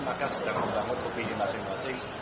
maka sedang membangun opini masing masing